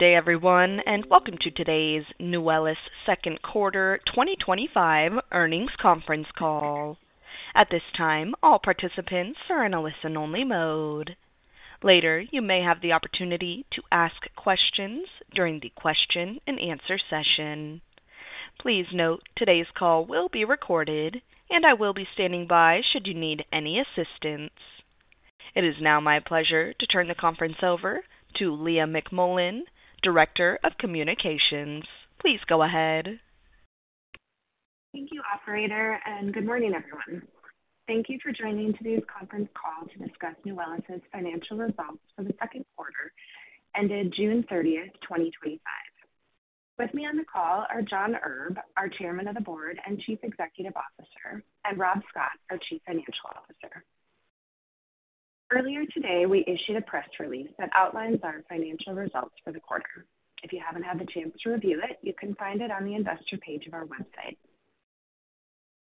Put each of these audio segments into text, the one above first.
Good day, everyone, and welcome to today's Nuwellis Second Quarter 2025 Earnings Conference Call. At this time, all participants are in a listen-only mode. Later, you may have the opportunity to ask questions during the question and answer session. Please note today's call will be recorded, and I will be standing by should you need any assistance. It is now my pleasure to turn the conference over to Leah McMullen, Director of Communications. Please go ahead. Thank you, Operator, and good morning, everyone. Thank you for joining today's conference call to discuss Nuwellis' financial results for the second quarter, ended June 30th, 2025. With me on the call are John Erb, our Chairman of the Board and Chief Executive Officer, and Rob Scott, our Chief Financial Officer. Earlier today, we issued a press release that outlines our financial results for the quarter. If you haven't had the chance to review it, you can find it on the investor page of our website.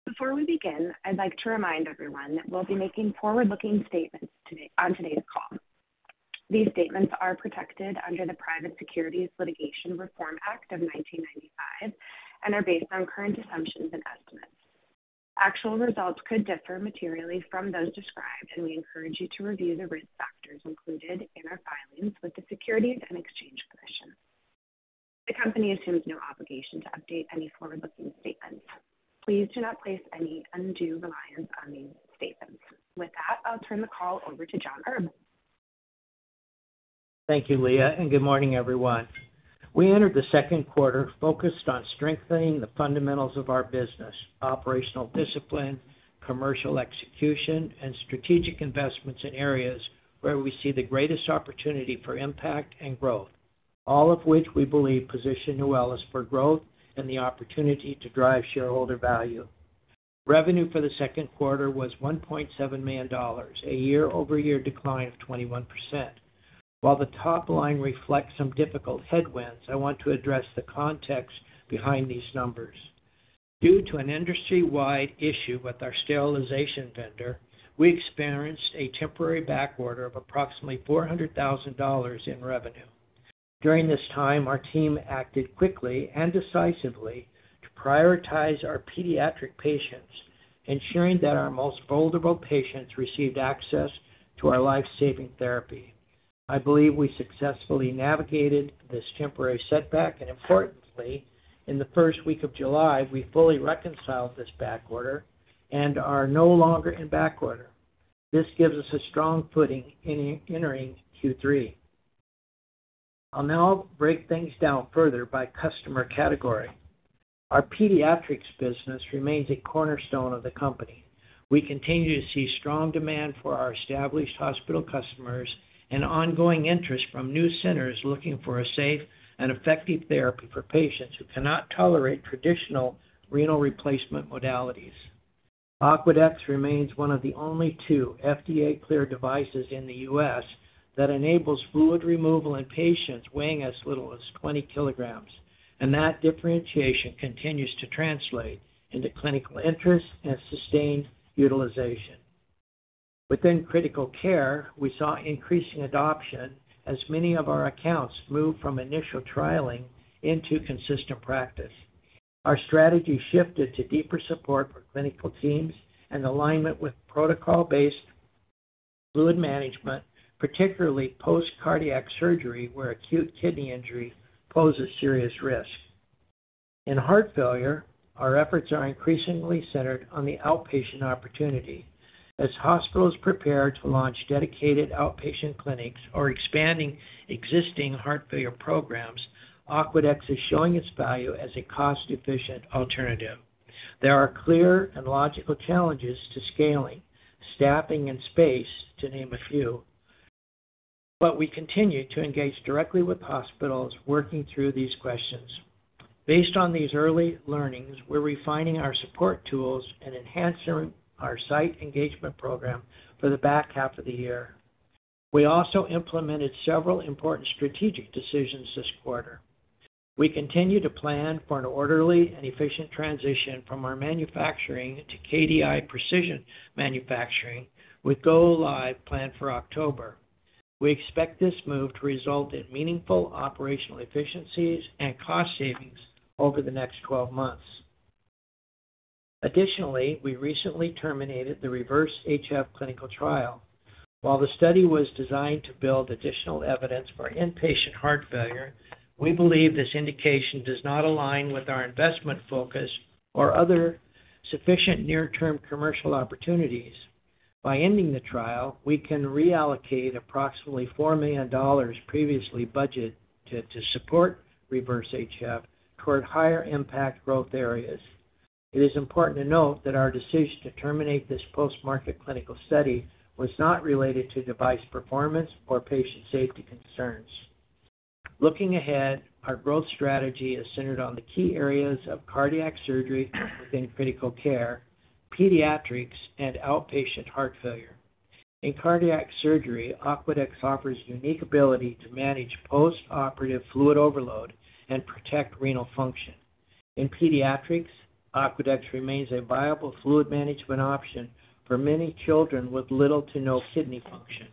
Before we begin, I'd like to remind everyone that we'll be making forward-looking statements on today's call. These statements are protected under the Private Securities Litigation Reform Act of 1995 and are based on current assumptions and estimates. Actual results could differ materially from those described, and we encourage you to review the risk factors included in our filings with the U.S. Securities and Exchange Commission. The company assumes no obligation to update any forward-looking statements. Please do not place any undue reliance on these statements. With that, I'll turn the call over to John Erb. Thank you, Leah, and good morning, everyone. We entered the second quarter focused on strengthening the fundamentals of our business: operational discipline, commercial execution, and strategic investments in areas where we see the greatest opportunity for impact and growth, all of which we believe position Nuwellis for growth and the opportunity to drive shareholder value. Revenue for the second quarter was $1.7 million, a year-over-year decline of 21%. While the top line reflects some difficult headwinds, I want to address the context behind these numbers. Due to an industry-wide issue with our sterilization vendor, we experienced a temporary backorder of approximately $400,000 in revenue. During this time, our team acted quickly and decisively to prioritize our pediatric patients, ensuring that our most vulnerable patients received access to our life-saving therapy. I believe we successfully navigated this temporary setback, and importantly, in the first week of July, we fully reconciled this backorder and are no longer in backorder. This gives us a strong footing in entering Q3. I'll now break things down further by customer category. Our pediatrics business remains a cornerstone of the company. We continue to see strong demand for our established hospital customers and ongoing interest from new centers looking for a safe and effective therapy for patients who cannot tolerate traditional renal replacement modalities. Aquadex remains one of the only two FDA-cleared devices in the U.S. that enables fluid removal in patients weighing as little as 20 kg, and that differentiation continues to translate into clinical interest and sustained utilization. Within critical care, we saw increasing adoption as many of our accounts moved from initial trialing into consistent practice. Our strategy shifted to deeper support for clinical teams and alignment with protocol-based fluid management, particularly post-cardiac surgery where acute kidney injury poses serious risk. In heart failure, our efforts are increasingly centered on the outpatient opportunity. As hospitals prepare to launch dedicated outpatient clinics or expand existing heart failure programs, Aquadex is showing its value as a cost-efficient alternative. There are clear and logical challenges to scaling, staffing, and space, to name a few, but we continue to engage directly with hospitals working through these questions. Based on these early learnings, we're refining our support tools and enhancing our site engagement program for the back half of the year. We also implemented several important strategic decisions this quarter. We continue to plan for an orderly and efficient transition from our manufacturing to KDI Precision Manufacturing with go live planned for October. We expect this move to result in meaningful operational efficiencies and cost savings over the next 12 months. Additionally, we recently terminated the reverse HF clinical trial. While the study was designed to build additional evidence for inpatient heart failure, we believe this indication does not align with our investment focus or other sufficient near-term commercial opportunities. By ending the trial, we can reallocate approximately $4 million previously budgeted to support reverse HF toward higher impact growth areas. It is important to note that our decision to terminate this post-market clinical study was not related to device performance or patient safety concerns. Looking ahead, our growth strategy is centered on the key areas of cardiac surgery within critical care, pediatrics, and outpatient heart failure. In cardiac surgery, Aquadex offers a unique ability to manage postoperative fluid overload and protect renal function. In pediatrics, Aquadex remains a viable fluid management option for many children with little to no kidney function.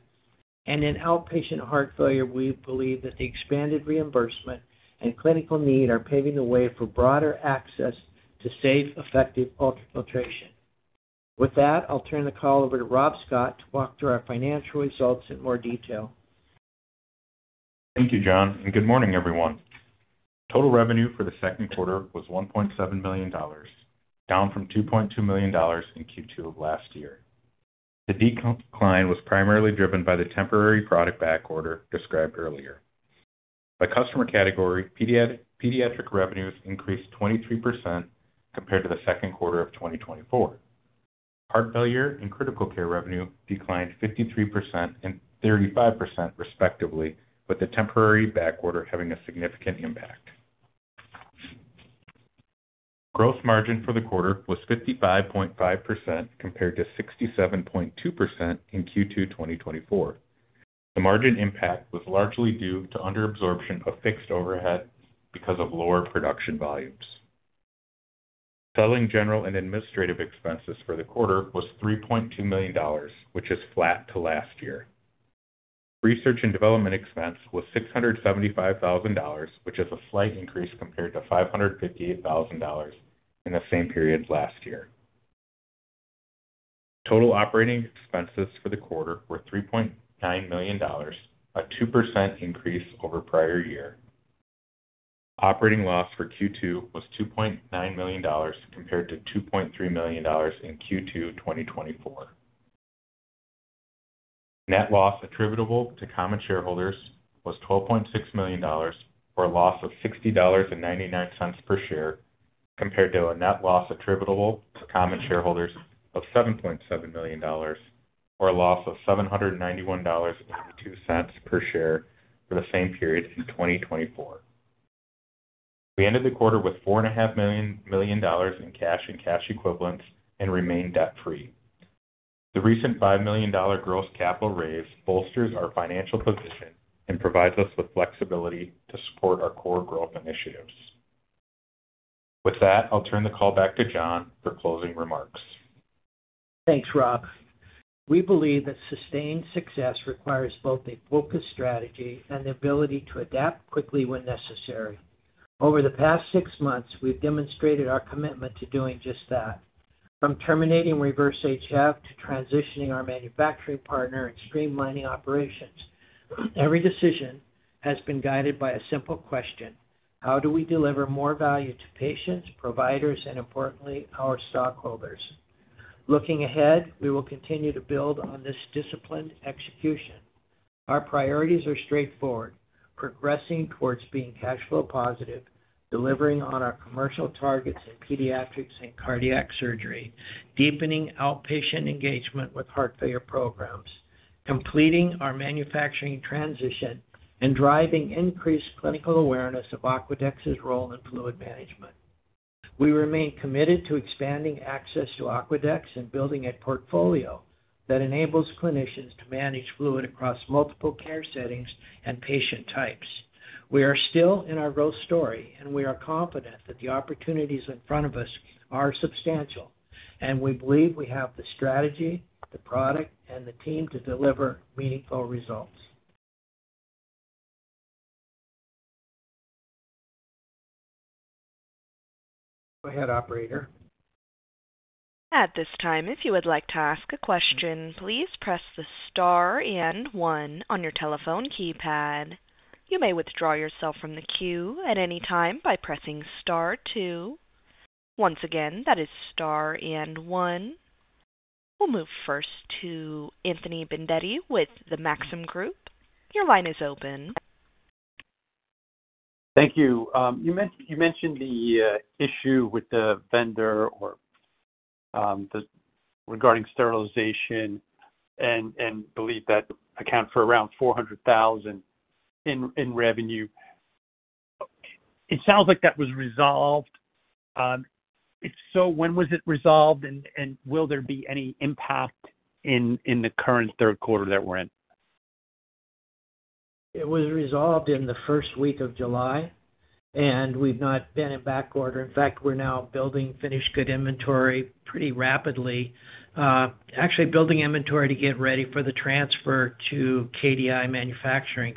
In outpatient heart failure, we believe that the expanded reimbursement and clinical need are paving the way for broader access to safe, effective ultrafiltration. With that, I'll turn the call over to Rob Scott to walk through our financial results in more detail. Thank you, John, and good morning, everyone. Total revenue for the second quarter was $1.7 million, down from $2.2 million in Q2 of last year. The decline was primarily driven by the temporary product backorder described earlier. By customer category, pediatric revenues increased 23% compared to the second quarter of 2024. Heart failure and critical care revenue declined 53% and 35% respectively, with the temporary backorder having a significant impact. Gross margin for the quarter was 55.5% compared to 67.2% in Q2 2024. The margin impact was largely due to underabsorption of fixed overhead because of lower production volumes. Selling, general, and administrative expenses for the quarter were $3.2 million, which is flat to last year. Research and development expense was $675,000, which is a slight increase compared to $558,000 in the same period last year. Total operating expenses for the quarter were $3.9 million, a 2% increase over prior year. Operating loss for Q2 was $2.9 million compared to $2.3 million in Q2 2024. Net loss attributable to common shareholders was $12.6 million, or a loss of $60.99 per share, compared to a net loss attributable to common shareholders of $7.7 million, or a loss of $791.92 per share for the same period in 2024. We ended the quarter with $4.5 million in cash and cash equivalents and remained debt-free. The recent $5 million gross capital raise bolsters our financial position and provides us with flexibility to support our core growth initiatives. With that, I'll turn the call back to John for closing remarks. Thanks, Rob. We believe that sustained success requires both a focused strategy and the ability to adapt quickly when necessary. Over the past six months, we've demonstrated our commitment to doing just that. From terminating reverse HF to transitioning our manufacturing partner and streamlining operations, every decision has been guided by a simple question: how do we deliver more value to patients, providers, and importantly, our stockholders? Looking ahead, we will continue to build on this disciplined execution. Our priorities are straightforward: progressing towards being cash flow positive, delivering on our commercial targets in pediatrics and cardiac surgery, deepening outpatient engagement with heart failure programs, completing our manufacturing transition, and driving increased clinical awareness of Aquadex's role in fluid management. We remain committed to expanding access to Aquadex and building a portfolio that enables clinicians to manage fluid across multiple care settings and patient types. We are still in our growth story, and we are confident that the opportunities in front of us are substantial, and we believe we have the strategy, the product, and the team to deliver meaningful results. Go ahead, Operator. At this time, if you would like to ask a question, please press the star and one on your telephone keypad. You may withdraw yourself from the queue at any time by pressing star two. Once again, that is star and one. We'll move first to Anthony Vendetti with the Maxim Group. Your line is open. Thank you. You mentioned the issue with the vendor regarding sterilization and believe that accounts for around $400,000 in revenue. It sounds like that was resolved. If so, when was it resolved, and will there be any impact in the current third quarter that we're in? It was resolved in the first week of July, and we've not been in backorder. In fact, we're now building finished good inventory pretty rapidly, actually building inventory to get ready for the transfer to KDI Manufacturing.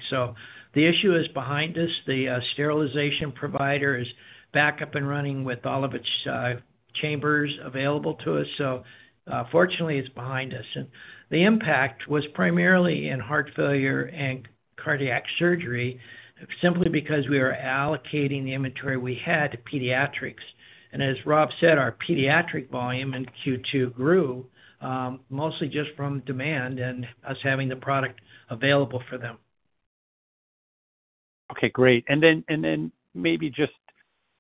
The issue is behind us. The sterilization provider is back up and running with all of its chambers available to us. Fortunately, it's behind us. The impact was primarily in heart failure and cardiac surgery simply because we were allocating the inventory we had to pediatrics. As Rob said, our pediatric volume in Q2 grew mostly just from demand and us having the product available for them. Okay, great. Maybe just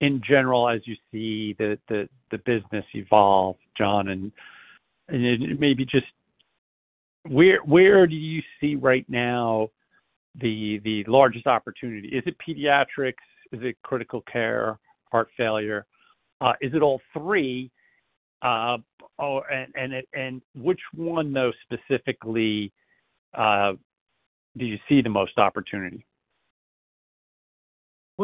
in general, as you see the business evolve, John, where do you see right now the largest opportunity? Is it pediatrics? Is it critical care, heart failure? Is it all three? Which one, though, specifically do you see the most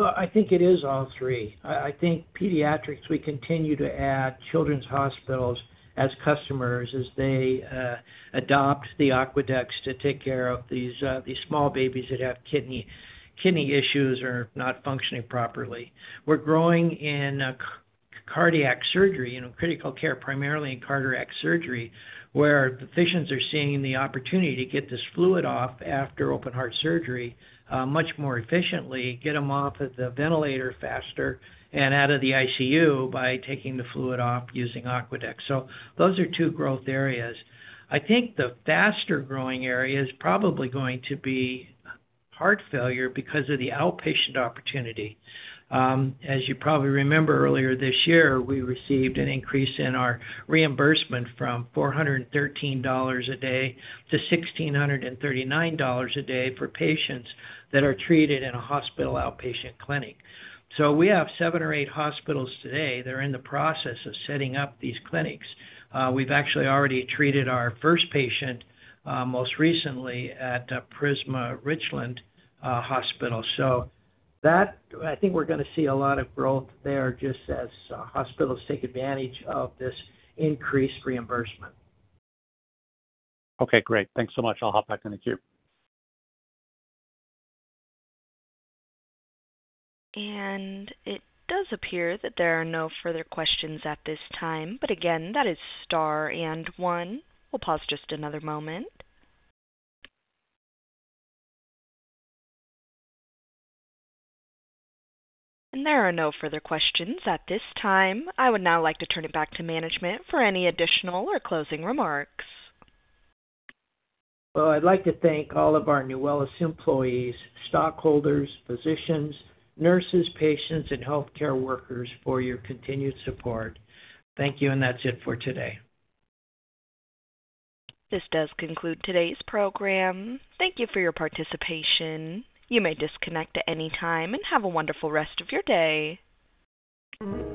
opportunity? I think it is all three. I think pediatrics, we continue to add children's hospitals as customers as they adopt the Aquadex to take care of these small babies that have kidney issues or are not functioning properly. We're growing in cardiac surgery, you know, critical care, primarily in cardiac surgery, where physicians are seeing the opportunity to get this fluid off after open heart surgery much more efficiently, get them off of the ventilator faster, and out of the ICU by taking the fluid off using Aquadex. Those are two growth areas. I think the faster growing area is probably going to be heart failure because of the outpatient opportunity. As you probably remember, earlier this year, we received an increase in our reimbursement from $413 a day to $1,639 a day for patients that are treated in a hospital outpatient clinic. We have seven or eight hospitals today that are in the process of setting up these clinics. We've actually already treated our first patient most recently at Prisma Richland Hospital. I think we're going to see a lot of growth there just as hospitals take advantage of this increased reimbursement. Okay, great. Thanks so much. I'll hop back in the queue. It does appear that there are no further questions at this time. That is star and one. We'll pause just another moment. There are no further questions at this time. I would now like to turn it back to management for any additional or closing remarks. I would like to thank all of our Nuwellis employees, stockholders, physicians, nurses, patients, and healthcare workers for your continued support. Thank you, and that's it for today. This does conclude today's program. Thank you for your participation. You may disconnect at any time and have a wonderful rest of your day.